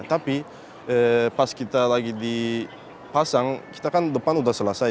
tapi pas kita lagi dipasang kita kan depan sudah selesai